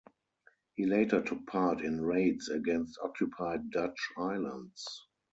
He later took part in raids against occupied Dutch islands.